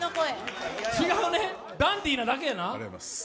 ダンディーなだけやな？